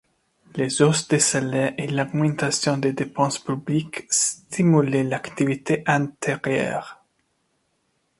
Les hausses de salaire et l’augmentation des dépenses publiques stimulaient l’activité intérieure.